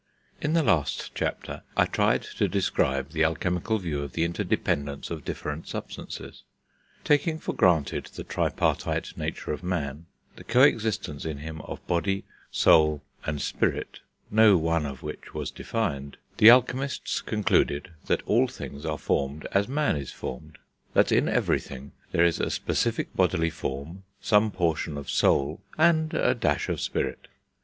In the last chapter I tried to describe the alchemical view of the interdependence of different substances. Taking for granted the tripartite nature of man, the co existence in him of body, soul, and spirit (no one of which was defined), the alchemists concluded that all things are formed as man is formed; that in everything there is a specific bodily form, some portion of soul, and a dash of spirit.